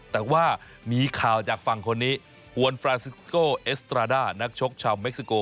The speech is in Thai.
แต่ว่ามีข่าวจากฝั่งคนนี้ฮวนฟรานซิโกเอสตราด้านักชกชาวเม็กซิโก